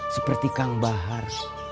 seperti kang bahar